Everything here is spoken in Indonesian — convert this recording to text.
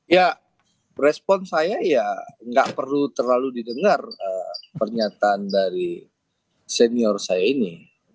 ya respon saya ya nggak perlu terlalu didengar pernyataan dari senior saya ini